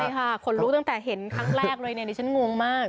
ใช่ค่ะขนลุกตั้งแต่เห็นครั้งแรกเลยเนี่ยดิฉันงงมาก